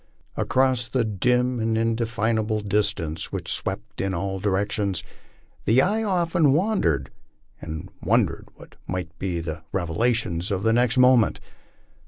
Across the dim and indefinable distance which swept in all directions, the eye often wandered and wondered what might be the reve lations of the next moment.